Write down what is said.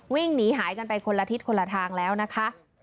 วิ่งหนีหายกันไปคนละทิศคนละทางแล้วนะคะ